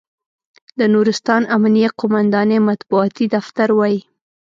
د نورستان امنیه قوماندانۍ مطبوعاتي دفتر وایي،